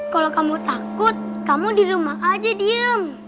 kalau kamu takut kamu di rumah aja diem